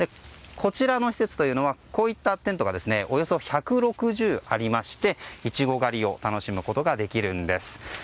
こちらの施設ではこういったテントがおよそ１６０ありましてイチゴ狩りを楽しむことができるんです。